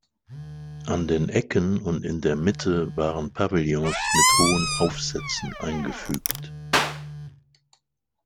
An den Ecken und in der Mitte waren Pavillons mit hohen Aufsätzen eingefügt.